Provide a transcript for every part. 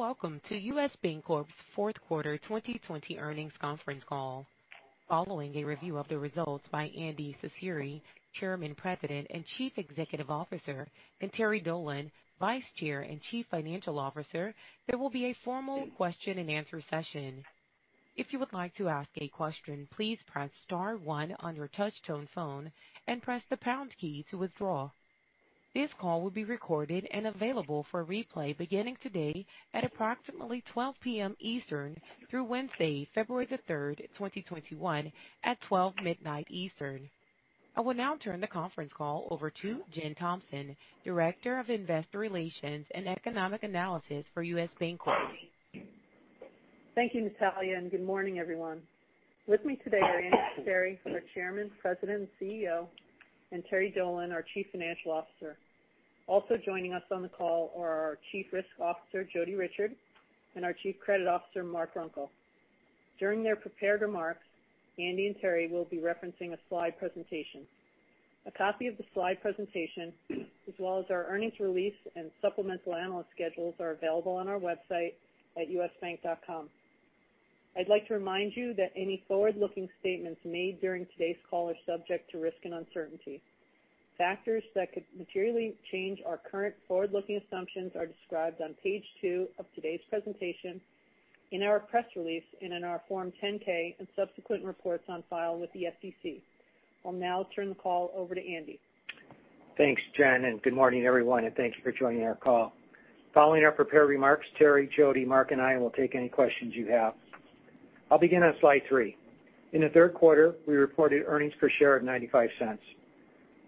Welcome to U.S. Bancorp's Fourth Quarter 2020 Earnings Conference Call. Following a review of the results by Andy Cecere, Chairman, President, and Chief Executive Officer, and Terry Dolan, Vice Chair and Chief Financial Officer, there will be a formal question and answer session. If you would like to ask a question please press star one on your touchtone phone and press the pound key to withdraw. This call will be recorded and available for replay beginning today at approximately 12:00 P.M. Eastern through Wednesday, February the 3rd, 2021 at 12:00 midnight Eastern. I will now turn the conference call over to Jen Thompson, Director of Investor Relations and Economic Analysis for U.S. Bancorp. Thank you, Natalia, and good morning, everyone. With me today are Andy Cecere, our Chairman, President, and CEO, and Terry Dolan, our Chief Financial Officer. Also joining us on the call are our Chief Risk Officer, Jodi Richard, and our Chief Credit Officer, Mark Runkel. During their prepared remarks, Andy and Terry will be referencing a slide presentation. A copy of the slide presentation, as well as our earnings release and supplemental analyst schedules are available on our website at usbank.com. I'd like to remind you that any forward-looking statements made during today's call are subject to risk and uncertainty. Factors that could materially change our current forward-looking assumptions are described on page 2 of today's presentation, in our press release, and in our Form 10-K and subsequent reports on file with the SEC. I'll now turn the call over to Andy. Thanks, Jen, and good morning, everyone, and thanks for joining our call. Following our prepared remarks, Terry, Jodi, Mark, and I will take any questions you have. I'll begin on slide 3. In the third quarter, we reported earnings per share of $0.95.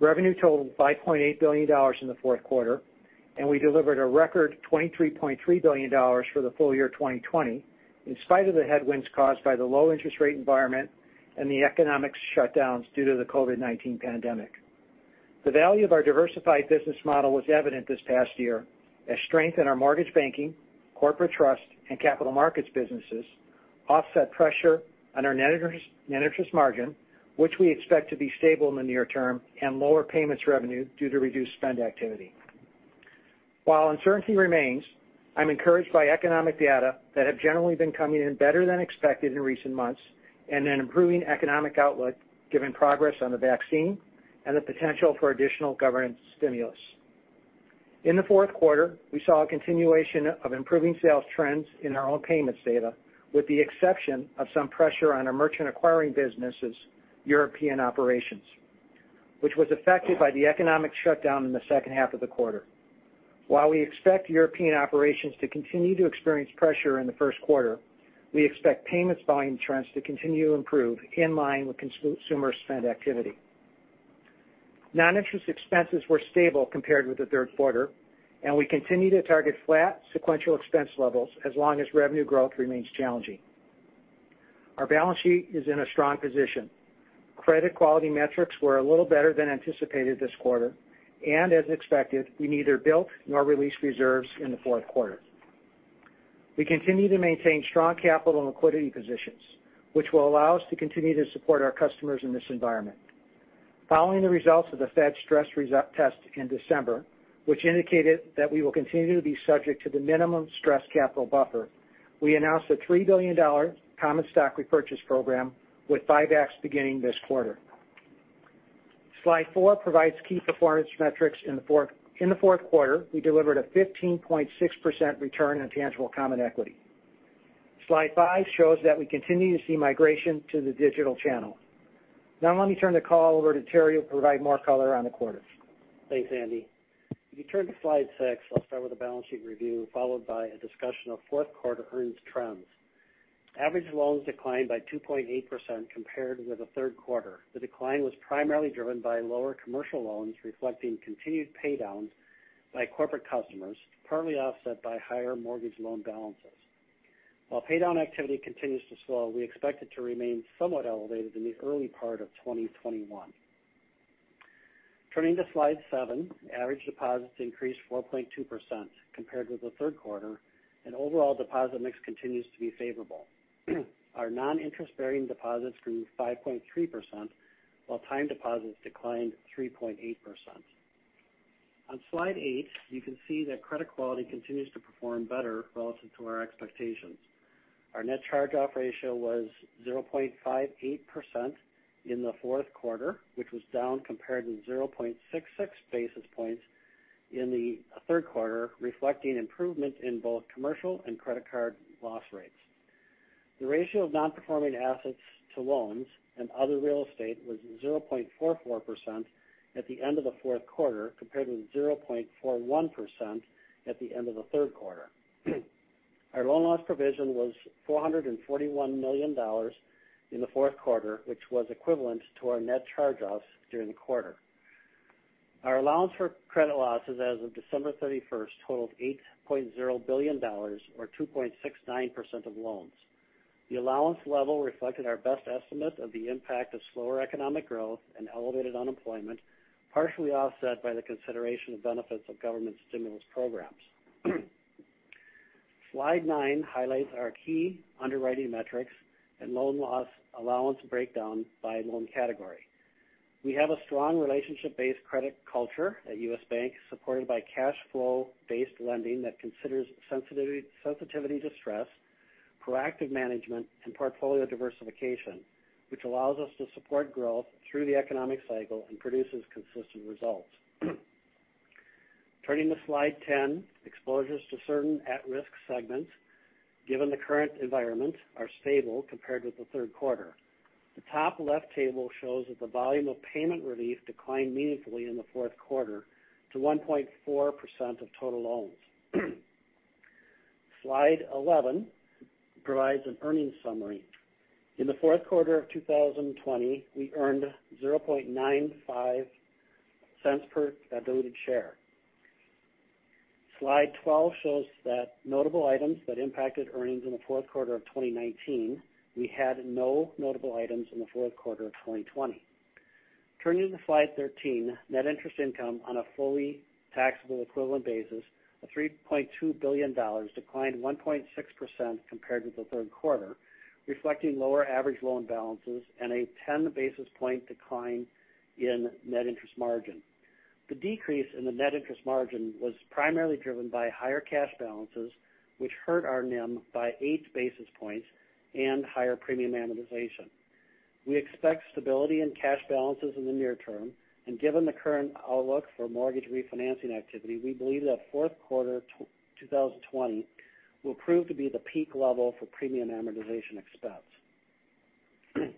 Revenue totaled $5.8 billion in the fourth quarter, and we delivered a record $23.3 billion for the full year 2020, in spite of the headwinds caused by the low interest rate environment and the economic shutdowns due to the COVID-19 pandemic. The value of our diversified business model was evident this past year as strength in our mortgage banking, corporate trust, and capital markets businesses offset pressure on our net interest margin, which we expect to be stable in the near term and lower payments revenue due to reduced spend activity. While uncertainty remains, I'm encouraged by economic data that have generally been coming in better than expected in recent months and an improving economic outlook given progress on the vaccine and the potential for additional government stimulus. In the fourth quarter, we saw a continuation of improving sales trends in our own payments data, with the exception of some pressure on our merchant acquiring business' European operations, which was affected by the economic shutdown in the second half of the quarter. While we expect European operations to continue to experience pressure in the first quarter, we expect payments volume trends to continue to improve in line with consumer spend activity. Non-interest expenses were stable compared with the third quarter, and we continue to target flat sequential expense levels as long as revenue growth remains challenging. Our balance sheet is in a strong position. Credit quality metrics were a little better than anticipated this quarter, and as expected, we neither built nor released reserves in the fourth quarter. We continue to maintain strong capital and liquidity positions, which will allow us to continue to support our customers in this environment. Following the results of the Fed stress test in December, which indicated that we will continue to be subject to the minimum stress capital buffer, we announced a $3 billion common stock repurchase program with buybacks beginning this quarter. Slide 4 provides key performance metrics. In the fourth quarter, we delivered a 15.6% return on tangible common equity. Slide 5 shows that we continue to see migration to the digital channel. Now let me turn the call over to Terry who will provide more color on the quarter. Thanks, Andy. If you turn to slide 6, I'll start with a balance sheet review followed by a discussion of fourth quarter earnings trends. Average loans declined by 2.8% compared with the third quarter. The decline was primarily driven by lower commercial loans reflecting continued paydowns by corporate customers, partly offset by higher mortgage loan balances. While paydown activity continues to slow, we expect it to remain somewhat elevated in the early part of 2021. Turning to slide 7, average deposits increased 4.2% compared with the third quarter and overall deposit mix continues to be favorable. Our non-interest-bearing deposits grew 5.3%, while time deposits declined 3.8%. On slide 8, you can see that credit quality continues to perform better relative to our expectations. Our net charge-off ratio was 0.58% in the fourth quarter, which was down compared with 0.66% basis points in the third quarter, reflecting improvement in both commercial and credit card loss rates. The ratio of non-performing assets to loans and other real estate was 0.44% at the end of the fourth quarter, compared with 0.41% at the end of the third quarter. Our loan loss provision was $441 million in the fourth quarter, which was equivalent to our net charge-offs during the quarter. Our allowance for credit losses as of December 31 totaled $8.0 billion or 2.69% of loans. The allowance level reflected our best estimate of the impact of slower economic growth and elevated unemployment, partially offset by the consideration of benefits of government stimulus programs. Slide 9 highlights our key underwriting metrics and loan loss allowance breakdown by loan category. We have a strong relationship-based credit culture at U.S. Bank, supported by cash flow-based lending that considers sensitivity to stress, proactive management, and portfolio diversification, which allows us to support growth through the economic cycle and produces consistent results. Turning to slide 10, exposures to certain at-risk segments, given the current environment, are stable compared with the third quarter. The top left table shows that the volume of payment relief declined meaningfully in the fourth quarter to 1.4% of total loans. Slide 11 provides an earnings summary. In the fourth quarter of 2020, we earned $0.95 per diluted share. Slide 12 shows that notable items that impacted earnings in the fourth quarter of 2019, we had no notable items in the fourth quarter of 2020. Turning to slide 13, net interest income on a fully taxable equivalent basis of $3.2 billion declined 1.6% compared with the third quarter, reflecting lower average loan balances and a 10-basis-point decline in net interest margin. The decrease in the net interest margin was primarily driven by higher cash balances, which hurt our NIM by eight basis points and higher premium amortization. We expect stability and cash balances in the near term and given the current outlook for mortgage refinancing activity, we believe that fourth quarter 2020 will prove to be the peak level for premium amortization expense.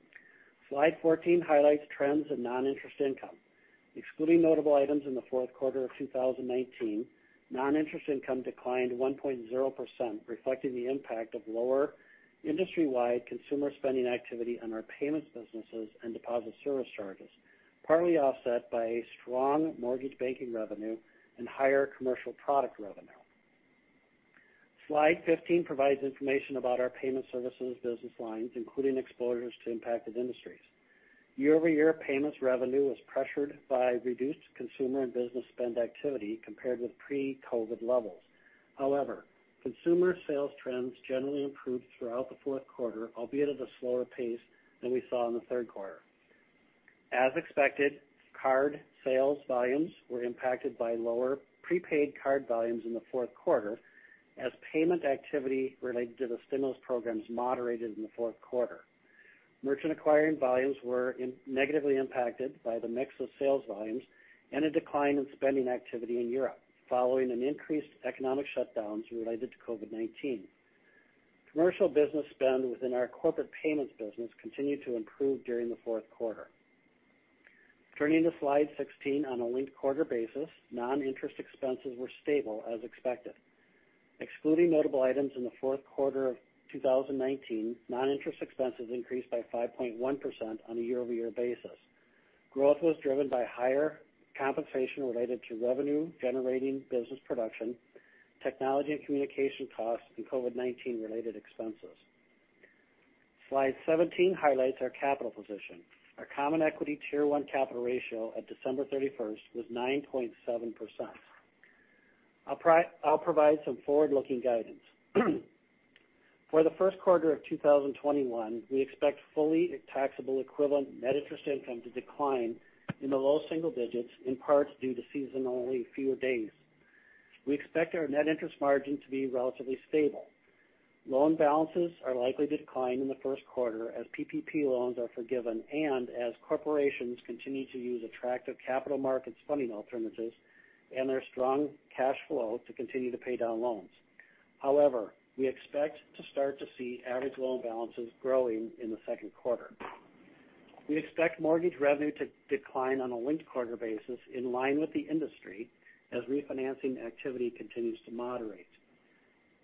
Slide 14 highlights trends in non-interest income. Excluding notable items in the fourth quarter of 2019, non-interest income declined 1.0%, reflecting the impact of lower industry-wide consumer spending activity on our payments businesses and deposit service charges, partly offset by a strong mortgage banking revenue and higher commercial product revenue. Slide 15 provides information about our payment services business lines, including exposures to impacted industries. Year-over-year payments revenue was pressured by reduced consumer and business spend activity compared with pre-COVID levels. However, consumer sales trends generally improved throughout the fourth quarter, albeit at a slower pace than we saw in the third quarter. As expected, card sales volumes were impacted by lower prepaid card volumes in the fourth quarter as payment activity related to the stimulus programs moderated in the fourth quarter. Merchant acquiring volumes were negatively impacted by the mix of sales volumes and a decline in spending activity in Europe following an increased economic shutdowns related to COVID-19. Commercial business spend within our corporate payments business continued to improve during the fourth quarter. Turning to slide 16, on a linked-quarter basis, non-interest expenses were stable as expected. Excluding notable items in the fourth quarter of 2019, non-interest expenses increased by 5.1% on a year-over-year basis. Growth was driven by higher compensation related to revenue-generating business production, technology and communication costs, and COVID-19 related expenses. Slide 17 highlights our capital position. Our common equity Tier 1 capital ratio at December 31st was 9.7%. I'll provide some forward-looking guidance. For the first quarter of 2021, we expect fully taxable equivalent net interest income to decline in the low single digits, in parts due to seasonally fewer days. We expect our net interest margin to be relatively stable. Loan balances are likely to decline in the first quarter as PPP loans are forgiven and as corporations continue to use attractive capital markets funding alternatives and their strong cash flow to continue to pay down loans. However, we expect to start to see average loan balances growing in the second quarter. We expect mortgage revenue to decline on a linked-quarter basis in line with the industry as refinancing activity continues to moderate.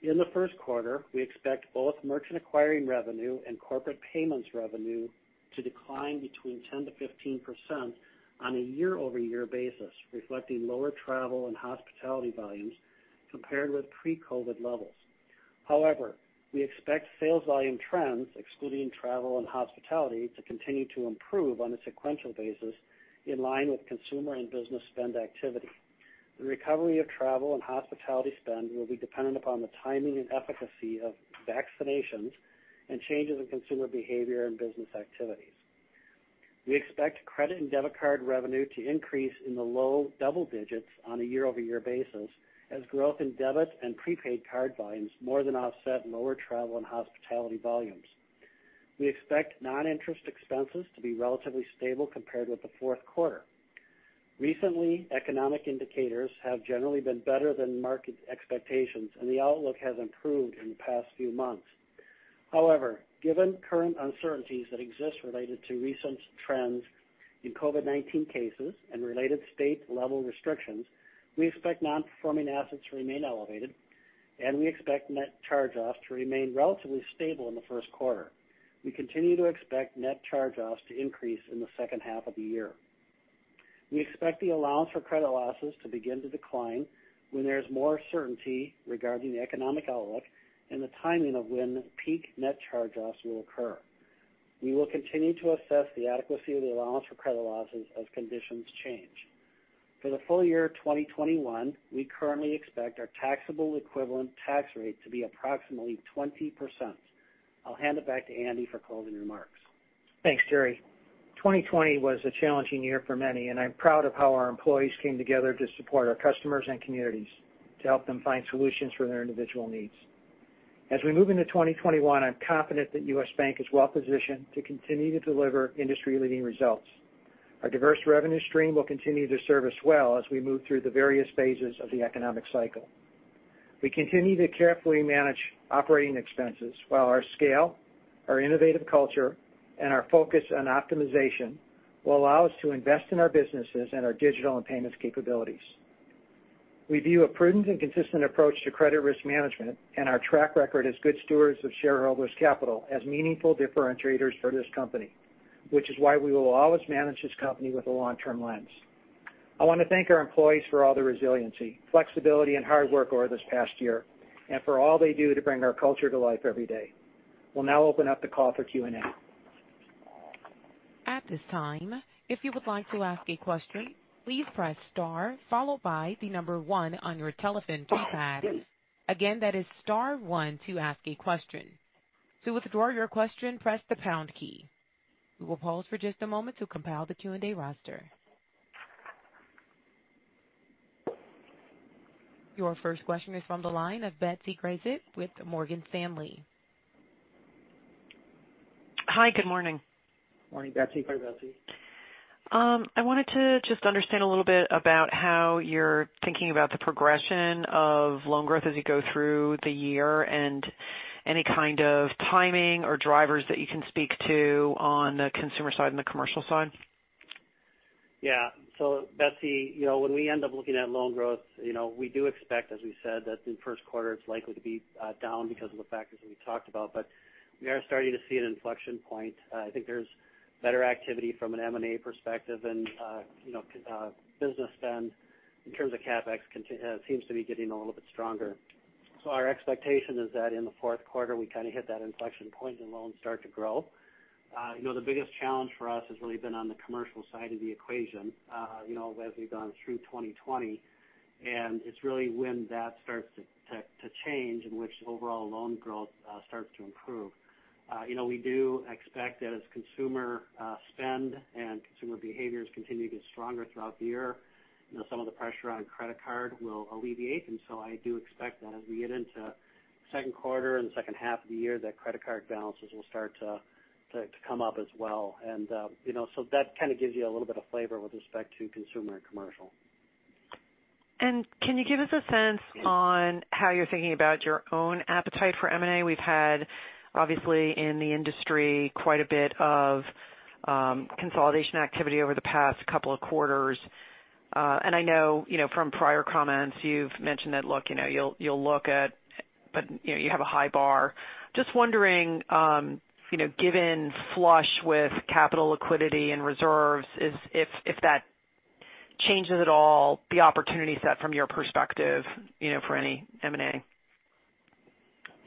In the first quarter, we expect both merchant acquiring revenue and corporate payments revenue to decline between 10%-15% on a year-over-year basis, reflecting lower travel and hospitality volumes compared with pre-COVID-19 levels. However, we expect sales volume trends, excluding travel and hospitality, to continue to improve on a sequential basis in line with consumer and business spend activity. The recovery of travel and hospitality spend will be dependent upon the timing and efficacy of vaccinations and changes in consumer behavior and business activities. We expect credit and debit card revenue to increase in the low double digits on a year-over-year basis as growth in debit and prepaid card volumes more than offset lower travel and hospitality volumes. We expect non-interest expenses to be relatively stable compared with the fourth quarter. Recently, economic indicators have generally been better than market expectations, and the outlook has improved in the past few months. However, given current uncertainties that exist related to recent trends in COVID-19 cases and related state-level restrictions, we expect non-performing assets to remain elevated, and we expect net charge-offs to remain relatively stable in the first quarter. We continue to expect net charge-offs to increase in the second half of the year. We expect the allowance for credit losses to begin to decline when there is more certainty regarding the economic outlook and the timing of when peak net charge-offs will occur. We will continue to assess the adequacy of the allowance for credit losses as conditions change. For the full year 2021, we currently expect our taxable equivalent tax rate to be approximately 20%. I'll hand it back to Andy for closing remarks. Thanks, Terry. 2020 was a challenging year for many, and I'm proud of how our employees came together to support our customers and communities to help them find solutions for their individual needs. As we move into 2021, I'm confident that U.S. Bank is well-positioned to continue to deliver industry-leading results. Our diverse revenue stream will continue to serve us well as we move through the various phases of the economic cycle. We continue to carefully manage operating expenses while our scale, our innovative culture, and our focus on optimization will allow us to invest in our businesses and our digital and payments capabilities. We view a prudent and consistent approach to credit risk management and our track record as good stewards of shareholders' capital as meaningful differentiators for this company, which is why we will always manage this company with a long-term lens. I want to thank our employees for all their resiliency, flexibility, and hard work over this past year and for all they do to bring our culture to life every day. We'll now open up the call for Q&A. At this time if you would like to ask a question, please press star followed by the number one on your telephone keypad. Again, that is star one to ask a question. To withdraw your question, press the pound key. We will pause for just a moment to compile the Q&A roster. Your first question is from the line of Betsy Graseck with Morgan Stanley. Hi, good morning. Morning, Betsy. Hi, Betsy. I wanted to just understand a little bit about how you're thinking about the progression of loan growth as you go through the year and any kind of timing or drivers that you can speak to on the consumer side and the commercial side. Betsy Graseck, when we end up looking at loan growth, we do expect, as we said, that in the first quarter it's likely to be down because of the factors that we talked about. We are starting to see an inflection point. I think there's better activity from an M&A perspective and business spend in terms of CapEx seems to be getting a little bit stronger. Our expectation is that in the fourth quarter, we kind of hit that inflection point and loans start to grow. The biggest challenge for us has really been on the commercial side of the equation as we've gone through 2020. It's really when that starts to change in which overall loan growth starts to improve. We do expect that as consumer spend and consumer behaviors continue to get stronger throughout the year, some of the pressure on credit card will alleviate. I do expect that as we get into second quarter and second half of the year, that credit card balances will start to come up as well. That kind of gives you a little bit of flavor with respect to consumer and commercial. Can you give us a sense on how you're thinking about your own appetite for M&A? We've had, obviously, in the industry, quite a bit of consolidation activity over the past couple of quarters. I know from prior comments, you've mentioned that you'll look at, but you have a high bar. Just wondering, given flush with capital liquidity and reserves, if that changes at all the opportunity set from your perspective for any M&A.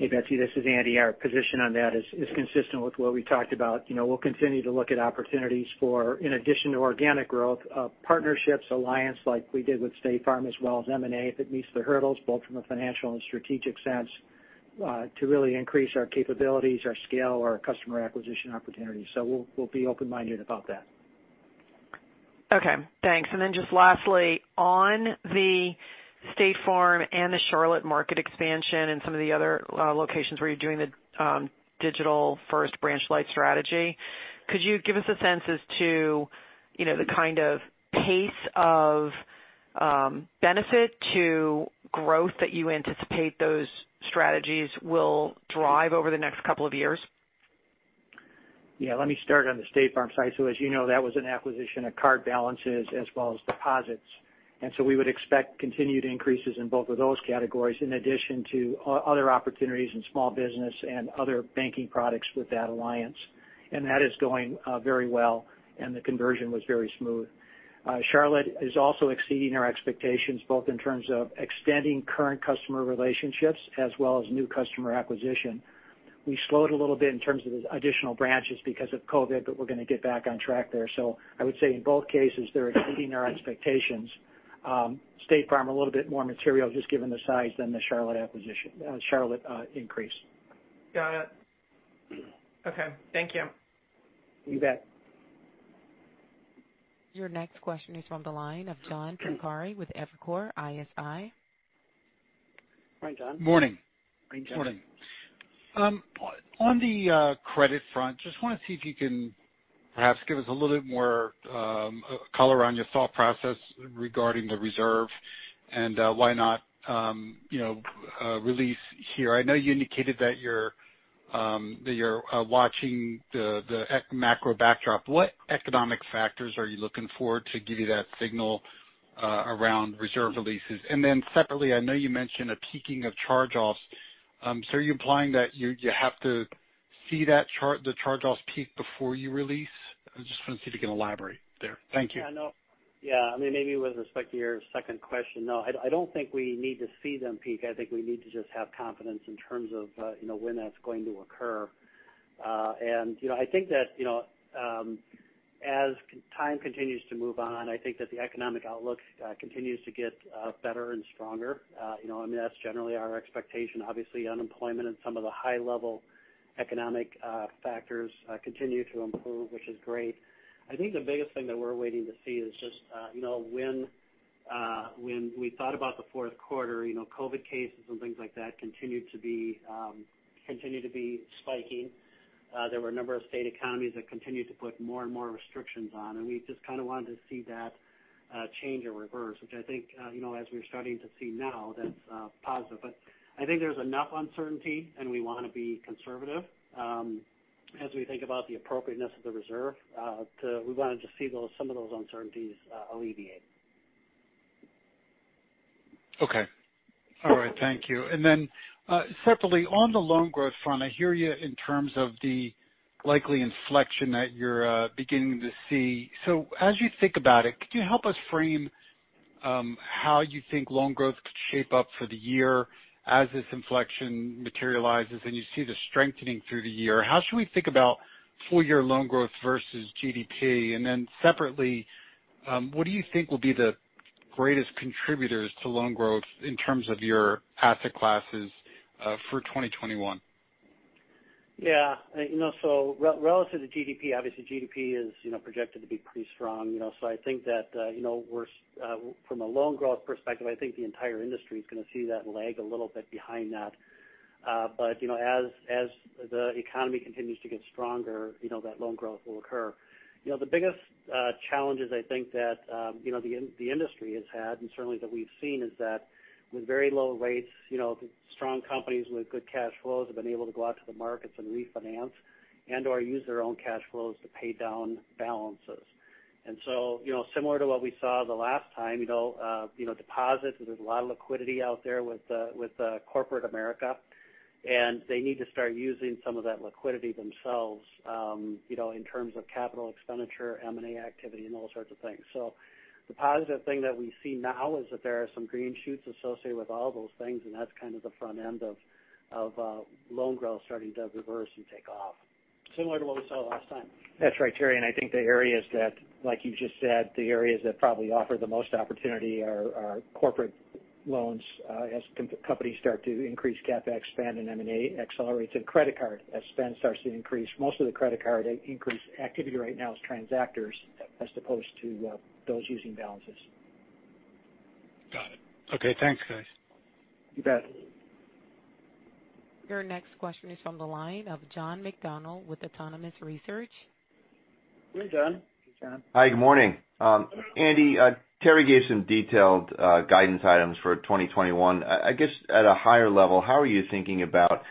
Hey, Betsy, this is Andy. Our position on that is consistent with what we talked about. We'll continue to look at opportunities for, in addition to organic growth, partnerships, alliance like we did with State Farm, as well as M&A, if it meets the hurdles, both from a financial and strategic sense, to really increase our capabilities, our scale, our customer acquisition opportunities. We'll be open-minded about that. Okay, thanks. Just lastly, on the State Farm and the Charlotte market expansion and some of the other locations where you're doing the digital first branch-lite strategy, could you give us a sense as to the kind of pace of benefit to growth that you anticipate those strategies will drive over the next couple of years? Let me start on the State Farm side. As you know, that was an acquisition of card balances as well as deposits. We would expect continued increases in both of those categories, in addition to other opportunities in small business and other banking products with that alliance. That is going very well, and the conversion was very smooth. Charlotte is also exceeding our expectations, both in terms of extending current customer relationships as well as new customer acquisition. We slowed a little bit in terms of additional branches because of COVID, but we're going to get back on track there. I would say in both cases, they're exceeding our expectations. State Farm, a little bit more material just given the size than the Charlotte increase. Got it. Okay. Thank you. You bet. Your next question is from the line of John Pancari with Evercore ISI. Morning, John. Morning. Morning, John. Morning. On the credit front, just want to see if you can perhaps give us a little bit more color on your thought process regarding the reserve and why not release here. I know you indicated that you're watching the macro backdrop. What economic factors are you looking for to give you that signal around reserve releases? Separately, I know you mentioned a peaking of charge-offs. Are you implying that you have to see the charge-offs peak before you release? I just want to see if you can elaborate there. Thank you. Yeah. Maybe with respect to your second question, no, I don't think we need to see them peak. I think we need to just have confidence in terms of when that's going to occur. I think that as time continues to move on, I think that the economic outlook continues to get better and stronger. That's generally our expectation. Obviously, unemployment and some of the high-level economic factors continue to improve, which is great. I think the biggest thing that we're waiting to see is just when we thought about the fourth quarter, COVID-19 cases and things like that continued to be spiking. There were a number of state economies that continued to put more and more restrictions on, and we just kind of wanted to see that change or reverse, which I think, as we're starting to see now, that's positive. I think there's enough uncertainty, and we want to be conservative as we think about the appropriateness of the reserve. We wanted to see some of those uncertainties alleviate. Okay. All right. Thank you. Separately, on the loan growth front, I hear you in terms of the likely inflection that you're beginning to see. As you think about it, could you help us frame how you think loan growth could shape up for the year as this inflection materializes and you see the strengthening through the year? How should we think about full-year loan growth versus GDP? Separately, what do you think will be the greatest contributors to loan growth in terms of your asset classes for 2021? Yeah. Relative to GDP, obviously GDP is projected to be pretty strong. I think that from a loan growth perspective, I think the entire industry is going to see that lag a little bit behind that. As the economy continues to get stronger, that loan growth will occur. The biggest challenges I think that the industry has had, and certainly that we've seen, is that with very low rates, strong companies with good cash flows have been able to go out to the markets and refinance and/or use their own cash flows to pay down balances. Similar to what we saw the last time, deposits, there's a lot of liquidity out there with corporate America, and they need to start using some of that liquidity themselves in terms of capital expenditure, M&A activity, and all sorts of things. The positive thing that we see now is that there are some green shoots associated with all those things, and that's kind of the front end of loan growth starting to reverse and take off, similar to what we saw last time. That's right, Terry, I think the areas that, like you just said, the areas that probably offer the most opportunity are corporate loans as companies start to increase CapEx spend and M&A accelerates, and credit card as spend starts to increase. Most of the credit card increase activity right now is transactors as opposed to those using balances. Got it. Okay, thanks, guys. You bet. Your next question is from the line of John McDonald with Autonomous Research. Hey, John. Hey, John. Hi, good morning. Andy, Terry gave some detailed guidance items for 2021. I guess at a higher level, how are you thinking about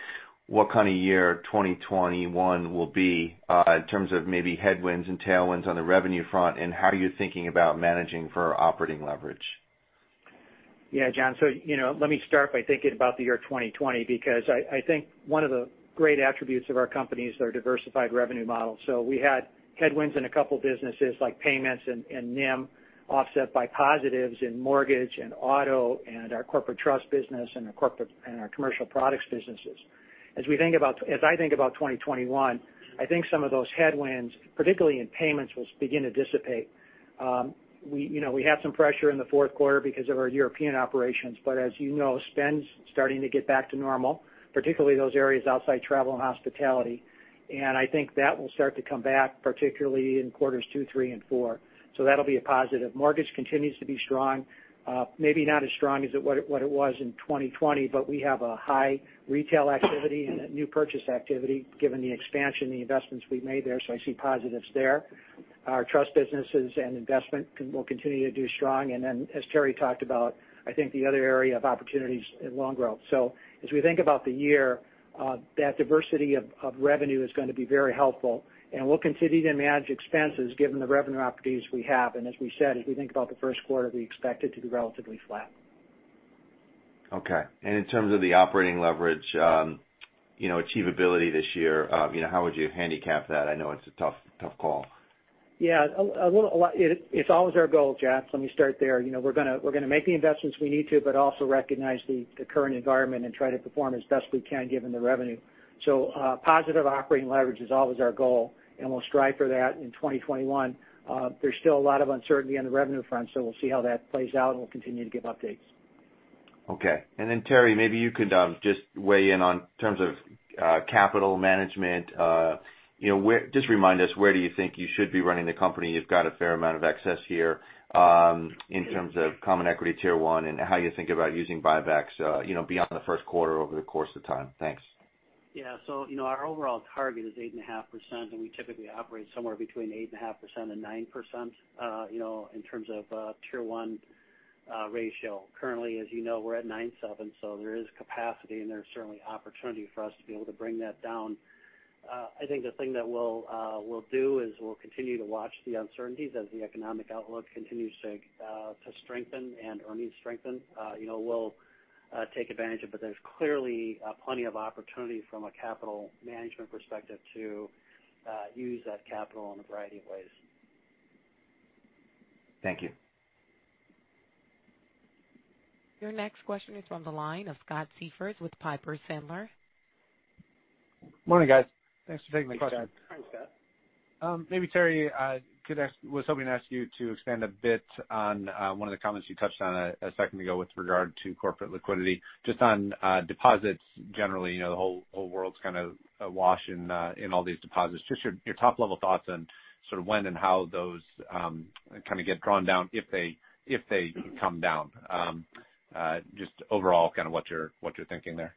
what kind of year 2021 will be in terms of maybe headwinds and tailwinds on the revenue front? How are you thinking about managing for operating leverage? Yeah, John, let me start by thinking about the year 2020 because I think one of the great attributes of our company is our diversified revenue model. We had headwinds in a two businesses like payments and NIM offset by positives in mortgage and auto and our corporate trust business and our commercial products businesses. As I think about 2021, I think some of those headwinds, particularly in payments, will begin to dissipate. We had some pressure in the fourth quarter because of our European operations, as you know, spend's starting to get back to normal, particularly those areas outside travel and hospitality. I think that will start to come back, particularly in quarters 2, 3, and 4. That'll be a positive. Mortgage continues to be strong. Not as strong as what it was in 2020, but we have a high retail activity and a new purchase activity given the expansion and the investments we've made there. I see positives there. Our trust businesses and investment will continue to do strong. As Terry talked about, I think the other area of opportunity's in loan growth. As we think about the year, that diversity of revenue is going to be very helpful, and we'll continue to manage expenses given the revenue opportunities we have. As we said, as we think about the first quarter, we expect it to be relatively flat. Okay. In terms of the operating leverage achievability this year, how would you handicap that? I know it's a tough call. Yeah. It's always our goal, John. Let me start there. We're going to make the investments we need to but also recognize the current environment and try to perform as best we can given the revenue. Positive operating leverage is always our goal, and we'll strive for that in 2021. There's still a lot of uncertainty on the revenue front, so we'll see how that plays out, and we'll continue to give updates. Okay. Terry, maybe you could just weigh in on terms of capital management. Just remind us, where do you think you should be running the company? You've got a fair amount of excess here in terms of common equity Tier 1 and how you think about using buybacks beyond the first quarter over the course of time. Thanks. Yeah. Our overall target is 8.5%, and we typically operate somewhere between 8.5% and 9% in terms of Tier 1 ratio. Currently, as you know, we're at 9.7, so there is capacity and there's certainly opportunity for us to be able to bring that down. I think the thing that we'll do is we'll continue to watch the uncertainties as the economic outlook continues to strengthen and earnings strengthen. We'll take advantage of it, but there's clearly plenty of opportunity from a capital management perspective to use that capital in a variety of ways. Thank you. Your next question is from the line of Scott Siefers with Piper Sandler. Morning, guys. Thanks for taking my question. Hi, Scott. Maybe Terry, was hoping to ask you to expand a bit on one of the comments you touched on a second ago with regard to corporate liquidity. Just on deposits generally, the whole world's kind of awash in all these deposits. Just your top-level thoughts on sort of when and how those kind of get drawn down if they come down. Just overall kind of what you're thinking there.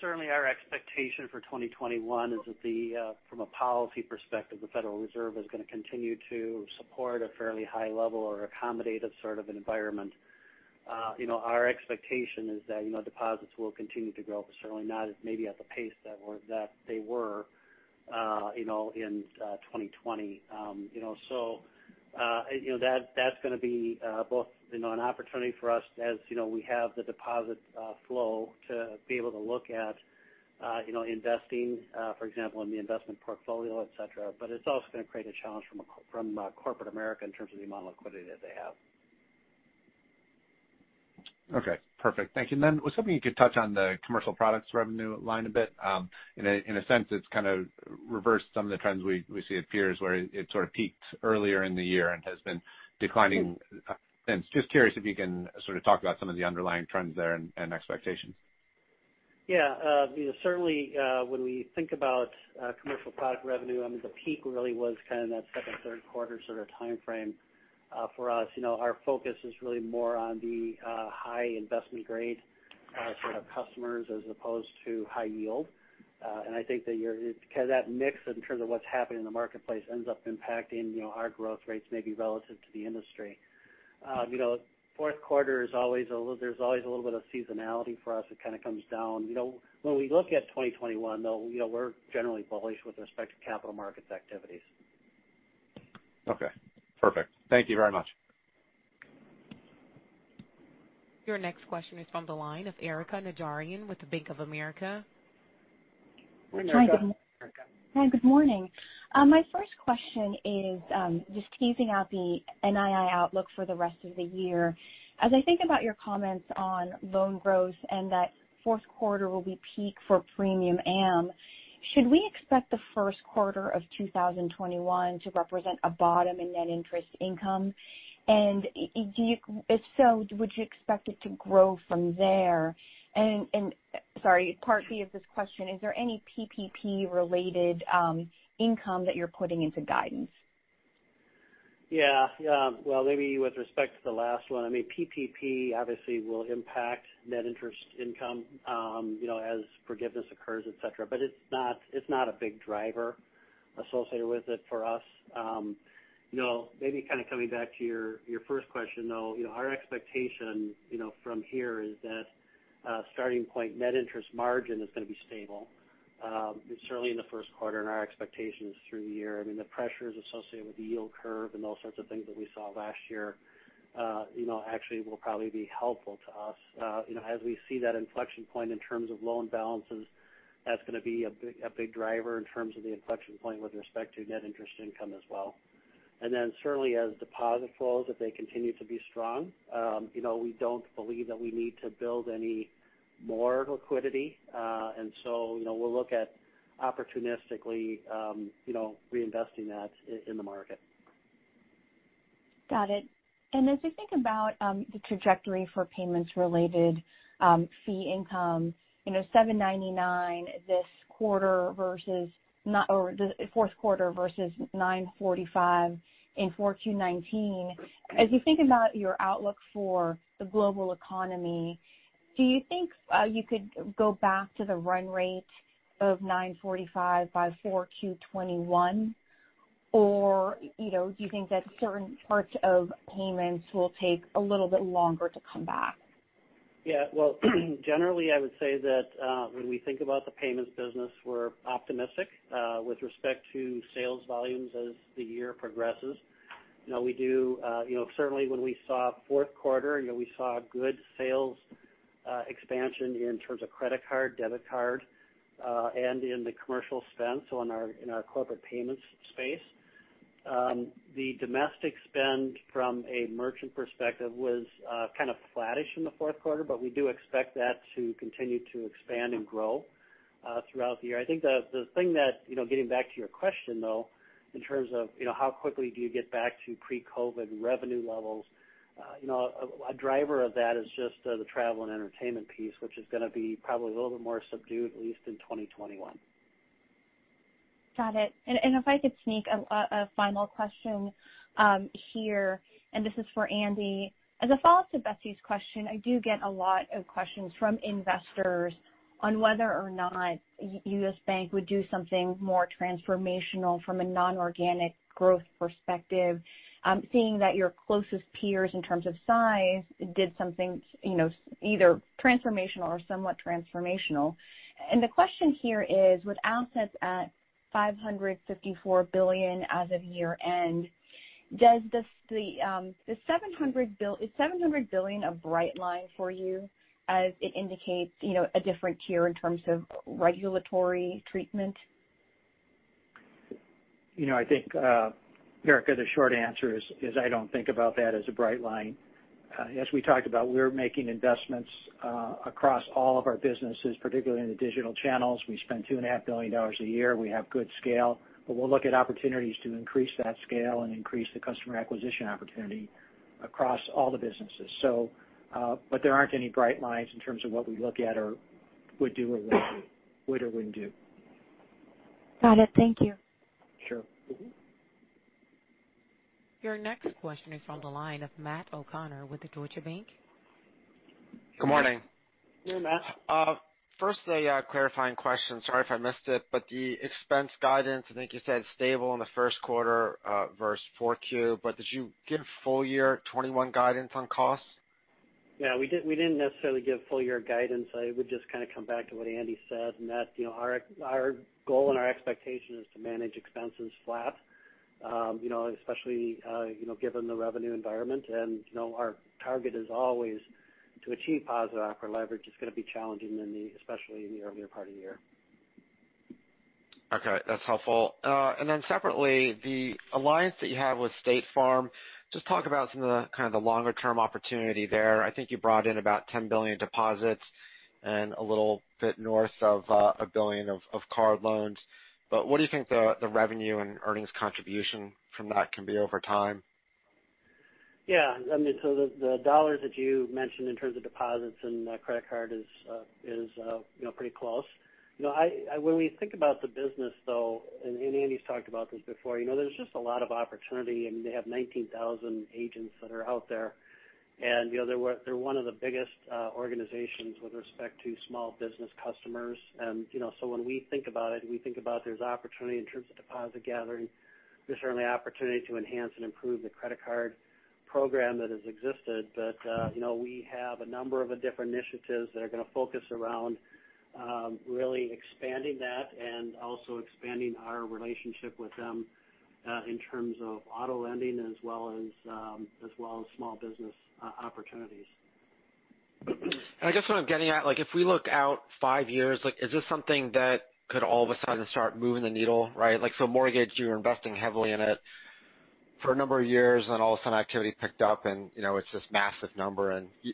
Certainly our expectation for 2021 is that from a policy perspective, the Federal Reserve is going to continue to support a fairly high level or accommodative sort of environment. Our expectation is that deposits will continue to grow, but certainly not maybe at the pace that they were in 2020. That's going to be both an opportunity for us as we have the deposit flow to be able to look at investing, for example, in the investment portfolio, et cetera. It's also going to create a challenge from corporate America in terms of the amount of liquidity that they have. Okay, perfect. Thank you. I was hoping you could touch on the commercial products revenue line a bit. In a sense, it's kind of reversed some of the trends we see at peers where it sort of peaked earlier in the year and has been declining since. I am just curious if you can sort of talk about some of the underlying trends there and expectations. Yeah. Certainly, when we think about commercial product revenue, the peak really was kind of that second, third quarter sort of timeframe for us. Our focus is really more on the high investment grade sort of customers as opposed to high yield. I think that because that mix in terms of what's happening in the marketplace ends up impacting our growth rates maybe relative to the industry. Fourth quarter, there's always a little bit of seasonality for us. It kind of comes down. When we look at 2021, though, we're generally bullish with respect to capital markets activities. Okay, perfect. Thank you very much. Your next question is from the line of Erika Najarian with Bank of America. Hi, Erika. Hi, good morning. My first question is just teasing out the NII outlook for the rest of the year. As I think about your comments on loan growth and that fourth quarter will be peak for premium AM, should we expect the first quarter of 2021 to represent a bottom in net interest income? If so, would you expect it to grow from there? Sorry, part B of this question, is there any PPP-related income that you're putting into guidance? Well maybe with respect to the last one. PPP obviously will impact net interest income as forgiveness occurs, et cetera. It's not a big driver associated with it for us. Maybe kind of coming back to your first question, though, our expectation from here is that starting point net interest margin is going to be stable. Certainly in the first quarter and our expectations through the year. The pressures associated with the yield curve and those sorts of things that we saw last year actually will probably be helpful to us. As we see that inflection point in terms of loan balances, that's going to be a big driver in terms of the inflection point with respect to net interest income as well. Certainly as deposit flows, if they continue to be strong. We don't believe that we need to build any more liquidity. We'll look at opportunistically reinvesting that in the market. Got it. As we think about the trajectory for payments-related fee income, $799 this fourth quarter versus $945 in 4Q 2019. As you think about your outlook for the global economy, do you think you could go back to the run rate of $945 by 4Q 2021? Or do you think that certain parts of payments will take a little bit longer to come back? Yeah. Well, generally, I would say that when we think about the payments business, we're optimistic with respect to sales volumes as the year progresses. Certainly when we saw fourth quarter, we saw good sales expansion in terms of credit card, debit card, and in the commercial spend, so in our Corporate Payments space. The domestic spend from a merchant perspective was kind of flattish in the fourth quarter, but we do expect that to continue to expand and grow throughout the year. I think the thing that, getting back to your question though, in terms of how quickly do you get back to pre-COVID-19 revenue levels? A driver of that is just the travel and entertainment piece, which is going to be probably a little bit more subdued, at least in 2021. Got it. If I could sneak a final question here, this is for Andy. As a follow-up to Betsy's question, I do get a lot of questions from investors on whether or not U.S. Bank would do something more transformational from a non-organic growth perspective, seeing that your closest peers in terms of size did something either transformational or somewhat transformational. The question here is, with assets at $554 billion as of year-end, is $700 billion a bright line for you as it indicates a different tier in terms of regulatory treatment? I think, Erika, the short answer is I don't think about that as a bright line. As we talked about, we're making investments across all of our businesses, particularly in the digital channels. We spend $2.5 billion a year. We have good scale. We'll look at opportunities to increase that scale and increase the customer acquisition opportunity across all the businesses. There aren't any bright lines in terms of what we look at or would or wouldn't do. Got it. Thank you. Sure. Mm-hmm. Your next question is from the line of Matt O'Connor with the Deutsche Bank. Good morning. Good morning, Matt. First, a clarifying question. Sorry if I missed it, but the expense guidance, I think you said stable in the first quarter versus 4Q, but did you give full year 2021 guidance on costs? Yeah, we didn't necessarily give full year guidance. I would just kind of come back to what Andy said in that our goal and our expectation is to manage expenses flat especially given the revenue environment. Our target is always to achieve positive operating leverage. It's going to be challenging, especially in the earlier part of the year. That's helpful. Separately, the alliance that you have with State Farm, just talk about some of the kind of longer-term opportunity there. I think you brought in about $10 billion deposits and a little bit north of $1 billion of card loans. What do you think the revenue and earnings contribution from that can be over time? Yeah. The dollars that you mentioned in terms of deposits and credit card is pretty close. When we think about the business, though, and Andy's talked about this before, there's just a lot of opportunity. They have 19,000 agents that are out there, and they're one of the biggest organizations with respect to small business customers. When we think about it, we think about there's opportunity in terms of deposit gathering. There's certainly opportunity to enhance and improve the credit card program that has existed. We have a number of different initiatives that are going to focus around really expanding that and also expanding our relationship with them in terms of auto lending as well as small business opportunities. I guess what I'm getting at, if we look out five years, is this something that could all of a sudden start moving the needle, right? Mortgage, you were investing heavily in it for a number of years, and then all of a sudden activity picked up and it's this massive number.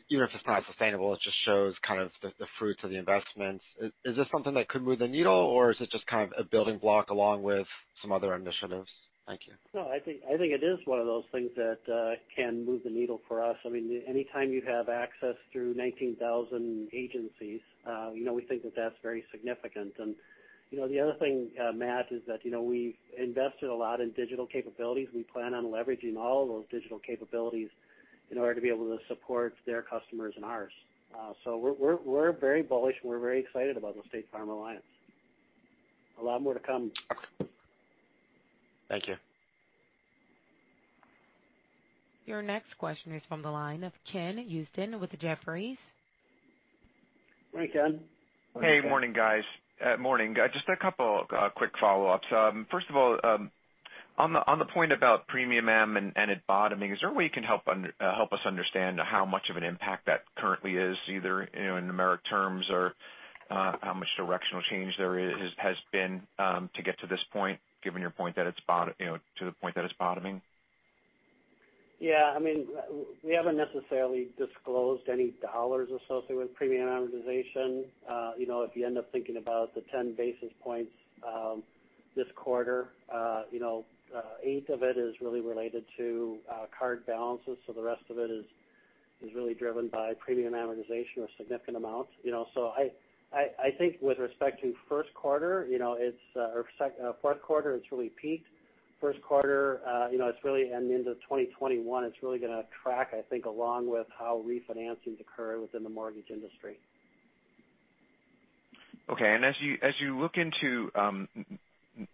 Even if it's not sustainable, it just shows kind of the fruits of the investments. Is this something that could move the needle, or is it just kind of a building block along with some other initiatives? Thank you. No, I think it is one of those things that can move the needle for us. Anytime you have access through 19,000 agencies, we think that that's very significant. The other thing, Matt, is that we've invested a lot in digital capabilities. We plan on leveraging all of those digital capabilities in order to be able to support their customers and ours. We're very bullish, and we're very excited about the State Farm alliance. A lot more to come. Thank you. Your next question is from the line of Ken Usdin with Jefferies. Hi, Ken. Hey, morning, guys. Morning. Just a couple quick follow-ups. First of all, on the point about premium amortization and it bottoming, is there a way you can help us understand how much of an impact that currently is, either in numeric terms or how much directional change there has been to get to this point, given your point that it's bottoming? Yeah. We haven't necessarily disclosed any dollars associated with premium amortization. If you end up thinking about the 10 basis points this quarter, eight of it is really related to card balances. The rest of it is really driven by premium amortization or significant amounts. I think with respect to first quarter, or fourth quarter, it's really peaked. First quarter and into 2021, it's really going to track, I think, along with how refinancings occur within the mortgage industry. Okay. As you look into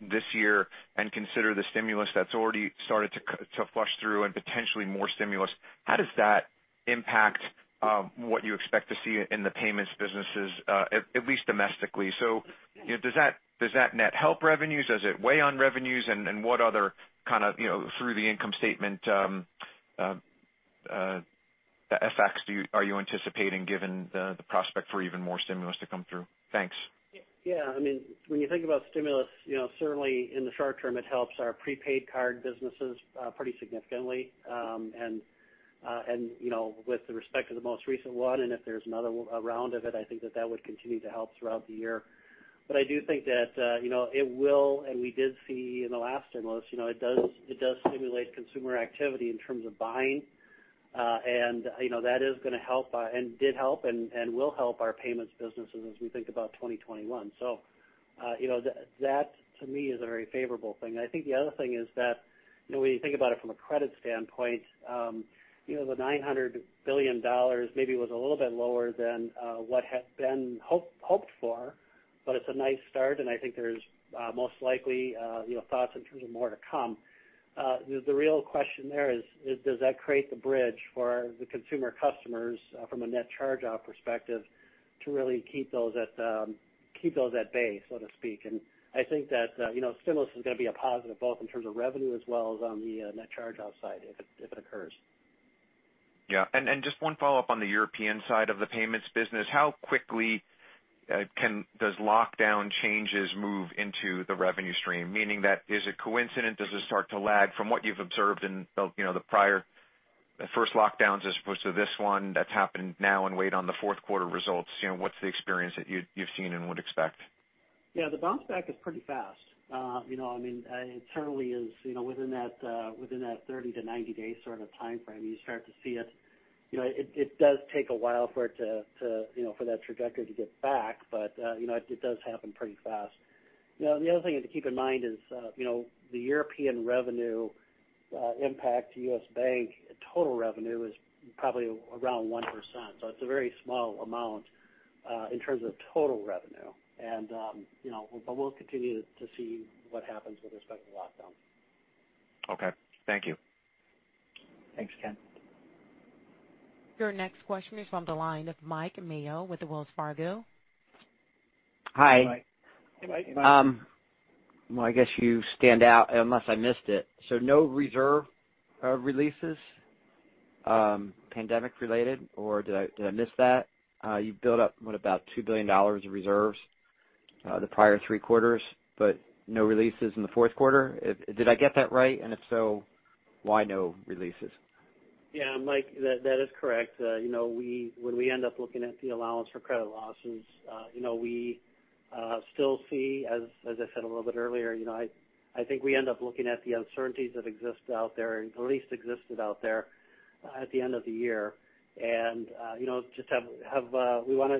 this year and consider the stimulus that's already started to flush through and potentially more stimulus, how does that impact what you expect to see in the payments businesses at least domestically? Does that net help revenues? Does it weigh on revenues? What other kind of through the income statement effects are you anticipating given the prospect for even more stimulus to come through? Thanks. Yeah. When you think about stimulus, certainly in the short term, it helps our prepaid card businesses pretty significantly. With respect to the most recent one, and if there's another round of it, I think that that would continue to help throughout the year. I do think that it will, and we did see in the last stimulus, it does stimulate consumer activity in terms of buying. That is going to help and did help and will help our payments businesses as we think about 2021. That to me is a very favorable thing. I think the other thing is that when you think about it from a credit standpoint the $900 billion maybe was a little bit lower than what had been hoped for, but it's a nice start, and I think there's most likely thoughts in terms of more to come. The real question there is, does that create the bridge for the consumer customers from a net charge-off perspective to really keep those at bay, so to speak? I think that stimulus is going to be a positive, both in terms of revenue as well as on the net charge-off side if it occurs. Yeah. Just one follow-up on the European side of the payments business. How quickly does lockdown changes move into the revenue stream? Meaning that is it coincident? Does it start to lag from what you've observed in the first lockdowns as opposed to this one that's happened now and weighed on the fourth quarter results? What's the experience that you've seen and would expect? Yeah, the bounce back is pretty fast. It certainly is within that 30-90-day sort of timeframe, you start to see it. It does take a while for that trajectory to get back. It does happen pretty fast. The other thing to keep in mind is the European revenue impact to U.S. Bank total revenue is probably around 1%. It's a very small amount in terms of total revenue. We'll continue to see what happens with respect to lockdowns. Okay. Thank you. Thanks, Ken. Your next question is from the line of Mike Mayo with the Wells Fargo. Hi. Hey, Mike. Well, I guess you stand out unless I missed it. No reserve releases, pandemic related, or did I miss that? You built up, what, about $2 billion of reserves the prior three quarters, but no releases in the fourth quarter. Did I get that right? If so, why no releases? Yeah, Mike, that is correct. When we end up looking at the allowance for credit losses we still see, as I said a little bit earlier, I think we end up looking at the uncertainties that exist out there and at least existed out there at the end of the year.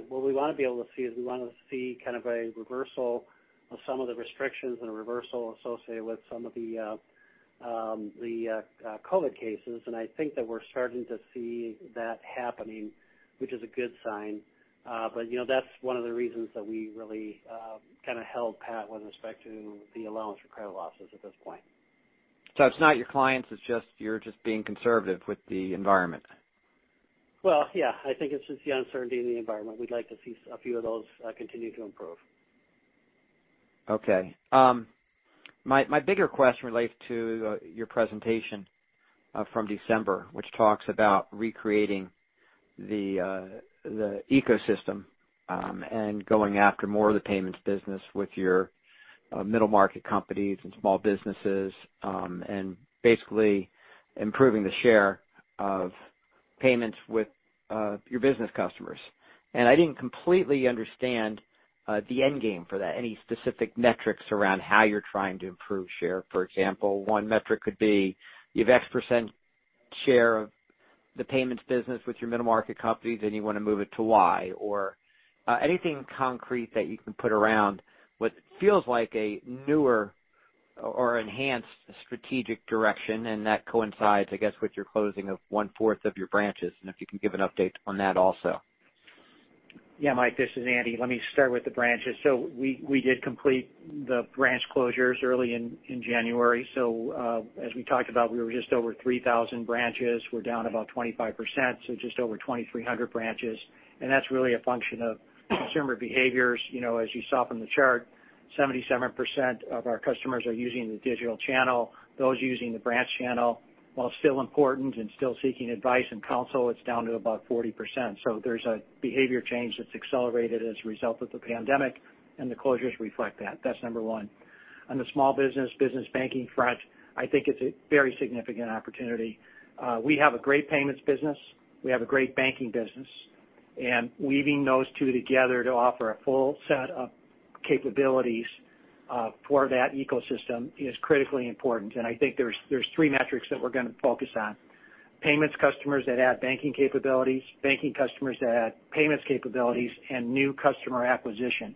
What we want to be able to see is we want to see kind of a reversal of some of the restrictions and a reversal associated with some of the COVID cases. I think that we're starting to see that happening, which is a good sign. That's one of the reasons that we really kind of held pat with respect to the allowance for credit losses at this point. It's not your clients, you're just being conservative with the environment. Well, yeah. I think it's just the uncertainty in the environment. We'd like to see a few of those continue to improve. Okay. My bigger question relates to your presentation from December, which talks about recreating the ecosystem and going after more of the payments business with your middle market companies and small businesses, and basically improving the share of payments with your business customers. I didn't completely understand the end game for that. Any specific metrics around how you're trying to improve share? For example, one metric could be you have X% share of the payments business with your middle market companies, and you want to move it to Y. Anything concrete that you can put around what feels like a newer or enhanced strategic direction and that coincides, I guess, with your closing of one fourth of your branches, and if you can give an update on that also. Yeah, Mike, this is Andy. Let me start with the branches. We did complete the branch closures early in January. As we talked about, we were just over 3,000 branches. We're down about 25%, just over 2,300 branches. That's really a function of consumer behaviors. As you saw from the chart, 77% of our customers are using the digital channel. Those using the branch channel, while still important and still seeking advice and counsel, it's down to about 40%. There's a behavior change that's accelerated as a result of the pandemic, and the closures reflect that. That's number one. On the small business banking front, I think it's a very significant opportunity. We have a great payments business. We have a great banking business. Weaving those two together to offer a full set of capabilities for that ecosystem is critically important. I think there's three metrics that we're going to focus on. Payments customers that have banking capabilities, banking customers that have payments capabilities, and new customer acquisition.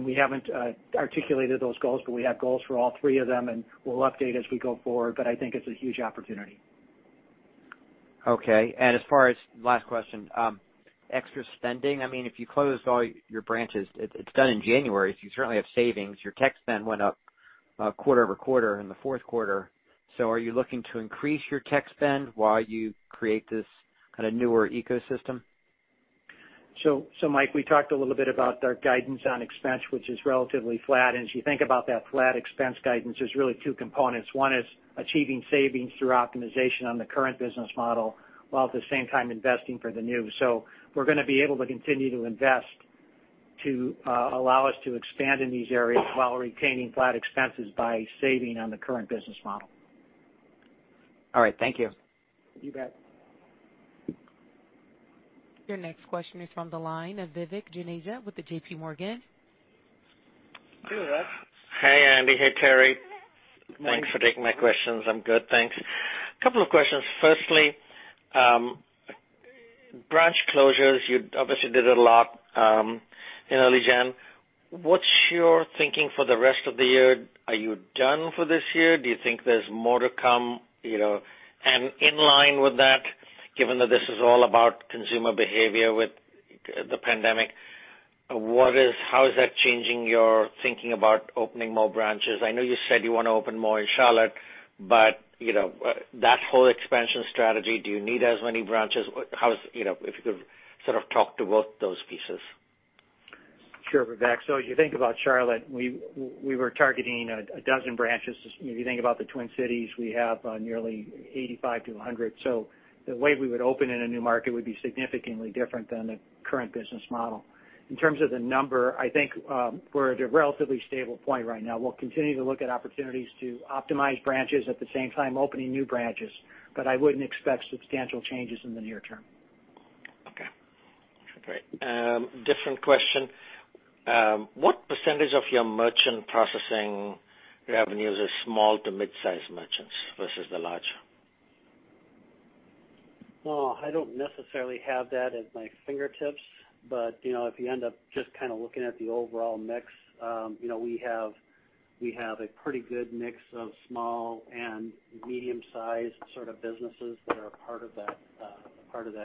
We haven't articulated those goals, but we have goals for all three of them, and we'll update as we go forward. I think it's a huge opportunity. Okay. As far as, last question, extra spending. If you closed all your branches, it's done in January. You certainly have savings. Your tech spend went up quarter-over-quarter in the fourth quarter. Are you looking to increase your tech spend while you create this kind of newer ecosystem? Mike, we talked a little bit about our guidance on expense, which is relatively flat. As you think about that flat expense guidance, there's really two components. One is achieving savings through optimization on the current business model while at the same time investing for the new. We're going to be able to continue to invest to allow us to expand in these areas while retaining flat expenses by saving on the current business model. All right. Thank you. You bet. Your next question is from the line of Vivek Juneja with the J.P. Morgan. Hey, Andy. Hey, Terry. Morning. Thanks for taking my questions. I'm good, thanks. Couple of questions. Firstly, branch closures. You obviously did a lot in early January. What's your thinking for the rest of the year? Are you done for this year? Do you think there's more to come? In line with that, given that this is all about consumer behavior with the pandemic, how is that changing your thinking about opening more branches? I know you said you want to open more in Charlotte, but that whole expansion strategy, do you need as many branches? If you could sort of talk to both those pieces. Sure, Vivek. As you think about Charlotte, we were targeting a dozen branches. If you think about the Twin Cities, we have nearly 85-100. The way we would open in a new market would be significantly different than the current business model. In terms of the number, I think we're at a relatively stable point right now. We'll continue to look at opportunities to optimize branches, at the same time, opening new branches. I wouldn't expect substantial changes in the near term. Okay. Great. Different question. What percentage of your merchant processing revenues are small to mid-size merchants versus the large? Well, I don't necessarily have that at my fingertips, but if you end up just kind of looking at the overall mix, we have a pretty good mix of small and medium-sized sort of businesses that are a part of that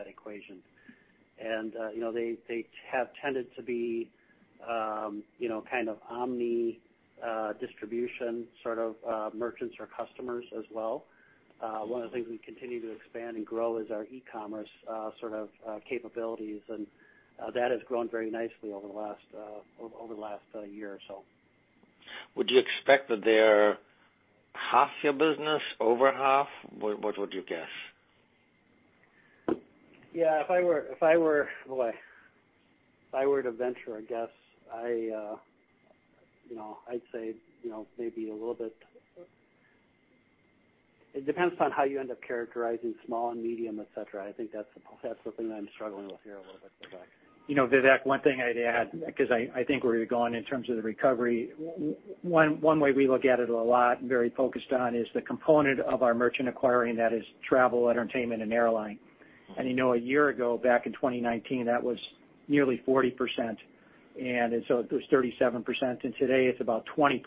equation. They have tended to be kind of omni-distribution merchants or customers as well. One of the things we continue to expand and grow is our e-commerce capabilities, and that has grown very nicely over the last year or so. Would you expect that they are half your business? Over half? What would you guess? Yeah, if I were to venture a guess, I'd say maybe a little bit. It depends on how you end up characterizing small and medium, et cetera. I think that's something I'm struggling with here a little bit, Vivek. Vivek, one thing I'd add, because I think where you're going in terms of the recovery, one way we look at it a lot and very focused on is the component of our merchant acquiring that is travel, entertainment, and airline. You know a year ago, back in 2019, that was nearly 40%, and so it was 37%, and today it's about 20%.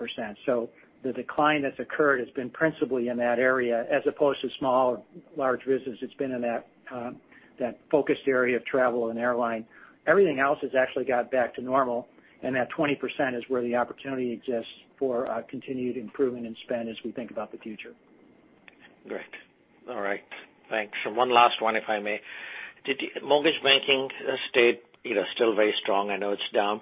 The decline that's occurred has been principally in that area as opposed to small or large business. It's been in that focused area of travel and airline. Everything else has actually got back to normal, and that 20% is where the opportunity exists for continued improvement in spend as we think about the future. Great. All right. Thanks. One last one, if I may. Mortgage banking has stayed still very strong. I know it's down.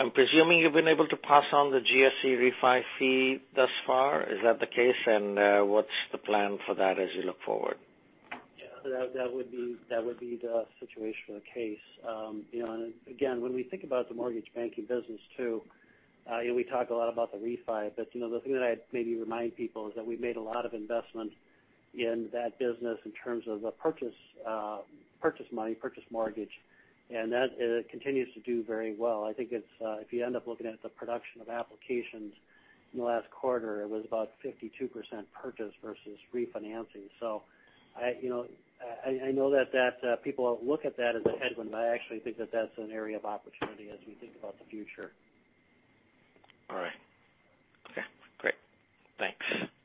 I'm presuming you've been able to pass on the GSE refi fee thus far. Is that the case, and what's the plan for that as you look forward? Yeah, that would be the situation or the case. Again, when we think about the mortgage banking business too, we talk a lot about the refi. The thing that I'd maybe remind people is that we've made a lot of investment in that business in terms of the purchase money, purchase mortgage, and that continues to do very well. I think if you end up looking at the production of applications in the last quarter, it was about 52% purchase versus refinancing. I know that people look at that as a headwind, but I actually think that that's an area of opportunity as we think about the future. All right. Okay, great. Thanks.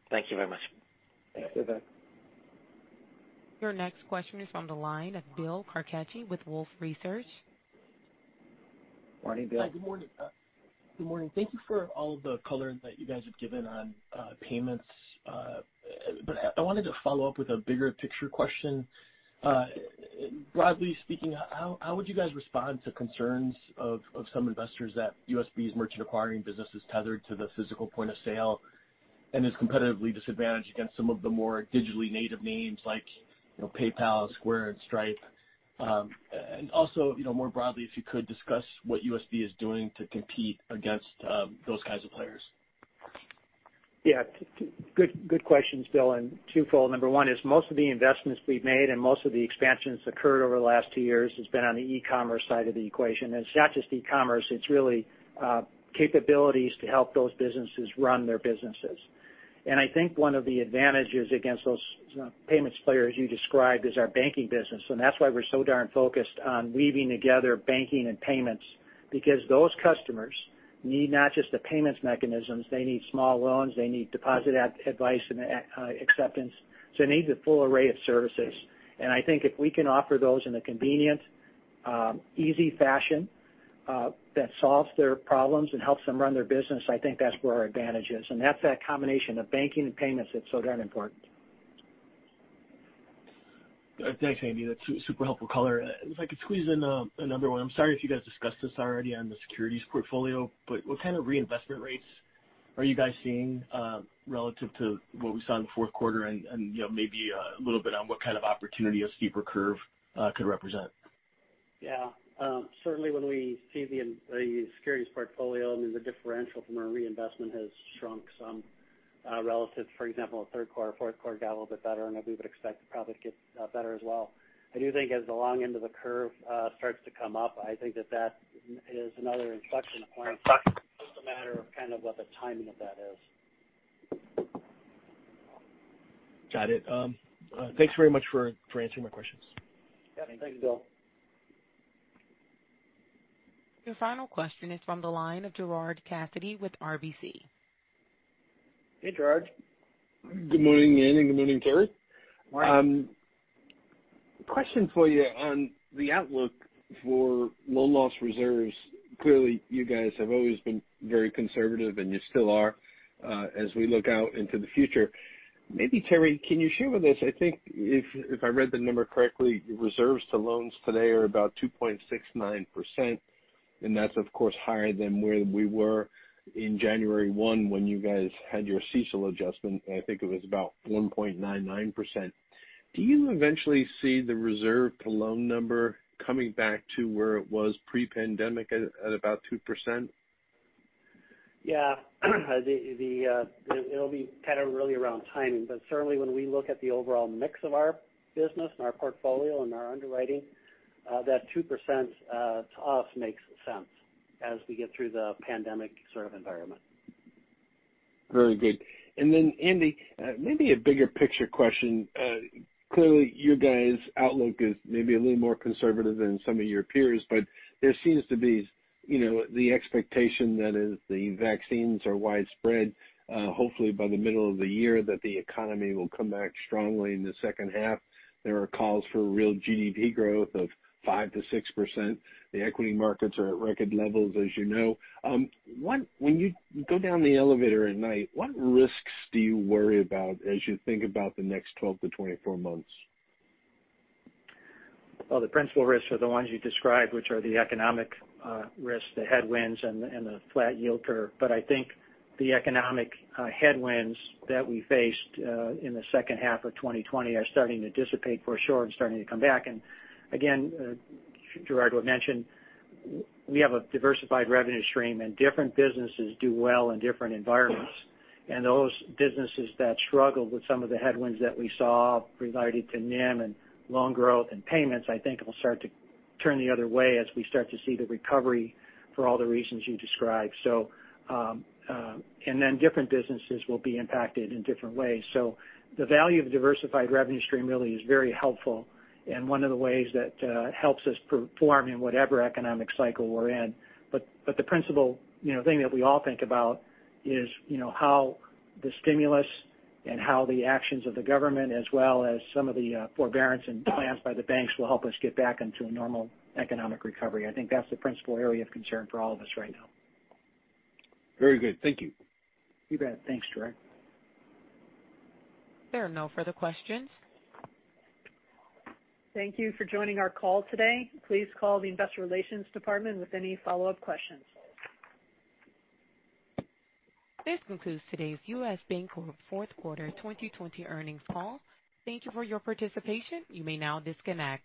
Thank you very much. Thanks, Vivek. Your next question is from the line of Bill Carcache with Wolfe Research. Morning, Bill. Hi, good morning. Thank you for all of the color that you guys have given on payments. I wanted to follow up with a bigger picture question. Broadly speaking, how would you guys respond to concerns of some investors that USB's merchant acquiring business is tethered to the physical point of sale and is competitively disadvantaged against some of the more digitally native names like PayPal, Square, and Stripe? Also, more broadly, if you could discuss what USB is doing to compete against those kinds of players. Good questions, Bill. Twofold. Number one is most of the investments we've made and most of the expansions occurred over the last two years has been on the e-commerce side of the equation. It's not just e-commerce, it's really capabilities to help those businesses run their businesses. I think one of the advantages against those payments players you described is our banking business, and that's why we're so darn focused on weaving together banking and payments because those customers need not just the payments mechanisms. They need small loans. They need deposit advice and acceptance. They need the full array of services. I think if we can offer those in a convenient, easy fashion that solves their problems and helps them run their business, I think that's where our advantage is. That's that combination of banking and payments that's so darn important. Thanks, Andy. That's super helpful color. If I could squeeze in another one. I'm sorry if you guys discussed this already on the securities portfolio, but what kind of reinvestment rates are you guys seeing relative to what we saw in the fourth quarter and maybe a little bit on what kind of opportunity a steeper curve could represent? Yeah. Certainly, when we see the securities portfolio, I mean, the differential from our reinvestment has shrunk some relative, for example, third quarter, fourth quarter got a little bit better, and we would expect to probably get better as well. I do think as the long end of the curve starts to come up, I think that that is another inflection point. It's just a matter of kind of what the timing of that is. Got it. Thanks very much for answering my questions. Yeah. Thanks, Bill. Your final question is from the line of Gerard Cassidy with RBC. Hey, Gerard. Good morning, Andy, and good morning, Terry. Morning. Question for you on the outlook for loan loss reserves. Clearly, you guys have always been very conservative, and you still are as we look out into the future. Maybe Terry, can you share with us, I think if I read the number correctly, your reserves to loans today are about 2.69%, that's of course higher than where we were in January 1 when you guys had your CECL adjustment. I think it was about 1.99%. Do you eventually see the reserve to loan number coming back to where it was pre-pandemic at about 2%? Yeah. It'll be kind of really around timing, but certainly when we look at the overall mix of our business and our portfolio and our underwriting, that 2% to us makes sense as we get through the pandemic sort of environment. Very good. Then Andy, maybe a bigger picture question. Clearly your guys' outlook is maybe a little more conservative than some of your peers, but there seems to be the expectation that as the vaccines are widespread, hopefully by the middle of the year, that the economy will come back strongly in the second half. There are calls for real GDP growth of 5%-6%. The equity markets are at record levels, as you know. When you go down the elevator at night, what risks do you worry about as you think about the next 12-24 months? Well, the principal risks are the ones you described, which are the economic risks, the headwinds, and the flat yield curve. I think the economic headwinds that we faced in the second half of 2020 are starting to dissipate for sure and starting to come back. Again, Gerard would mention, we have a diversified revenue stream, and different businesses do well in different environments. Those businesses that struggled with some of the headwinds that we saw related to NIM and loan growth and payments, I think it'll start to turn the other way as we start to see the recovery for all the reasons you described. Different businesses will be impacted in different ways. The value of diversified revenue stream really is very helpful and one of the ways that helps us perform in whatever economic cycle we're in. The principal thing that we all think about is how the stimulus and how the actions of the government, as well as some of the forbearance and plans by the banks will help us get back into a normal economic recovery. I think that's the principal area of concern for all of us right now. Very good. Thank you. You bet. Thanks, Gerard. There are no further questions. Thank you for joining our call today. Please call the investor relations department with any follow-up questions. This concludes today's U.S. Bancorp Fourth Quarter 2020 Earnings Call. Thank you for your participation. You may now disconnect.